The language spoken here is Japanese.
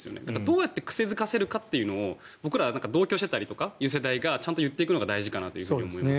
どうやって癖付かせるかっていうのを僕らは同居してたりとかそういう世代が言っていくのが大事かなと思います。